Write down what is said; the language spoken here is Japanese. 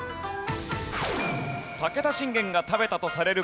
武田信玄が食べたとされる